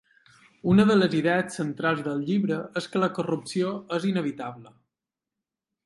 Una de les idees centrals del llibre és que la corrupció és inevitable.